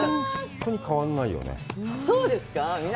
本当に変わらない。